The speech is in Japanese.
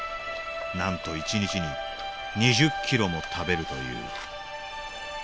なんと一日に２０キロも食べるという。